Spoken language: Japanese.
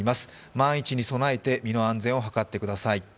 万一に備えて身の安全をはかってください。